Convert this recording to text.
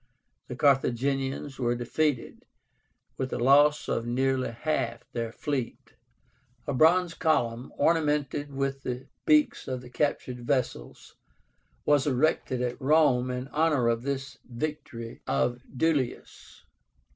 The Carthaginians were defeated, with the loss of nearly half their fleet. A bronze column, ornamented with the beaks of the captured vessels, was erected at Rome in honor of this victory of Duilius.